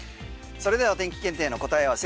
それではお天気検定の答え合わせ。